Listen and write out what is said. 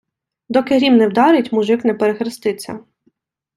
Доки грім не вдарить, мужик не перехреститься.